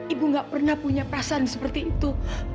ibu gak pernah punya perasaan seperti itu